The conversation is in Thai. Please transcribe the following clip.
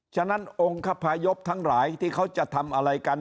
ฉะนั้นองคพยพทั้งหลายที่เขาจะทำอะไรกัน